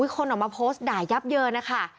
คนออกมาโพสต์ด่ายับเยินนะคะ